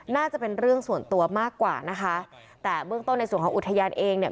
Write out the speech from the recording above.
น่าจะเป็นเรื่องส่วนตัวมากกว่านะคะแต่เบื้องต้นในส่วนของอุทยานเองเนี่ย